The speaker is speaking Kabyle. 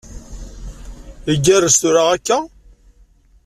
Igerrez tura akka?